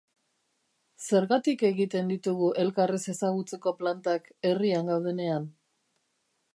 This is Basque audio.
Zergatik egiten ditugu elkar ez ezagutzeko plantak herrian gaudenean?